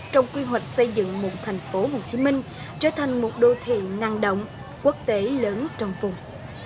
trong quy hoạch xây dựng một thành phố hồ chí minh trở thành một đô thị năng động quốc tế lớn trong vùng